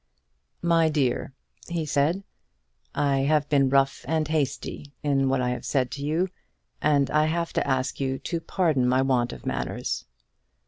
"My dear," he said, "I have been rough and hasty in what I have said to you, and I have to ask you to pardon my want of manners."